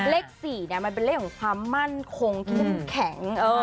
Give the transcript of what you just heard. เลข๔เป็นเลขของความมั่นคงที่มันแข็ง